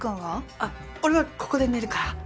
あっ俺はここで寝るから。